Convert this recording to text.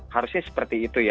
harusnya seperti itu ya